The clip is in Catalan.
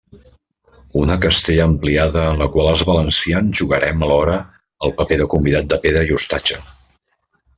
Una Castella ampliada en la qual els valencians jugarem alhora el paper de convidat de pedra i ostatge.